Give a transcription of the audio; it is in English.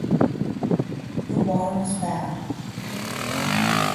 The water was bad.